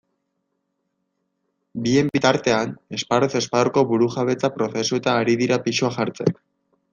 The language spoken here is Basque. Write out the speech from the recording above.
Bien bitartean, esparruz esparruko burujabetza prozesuetan ari dira pisua jartzen.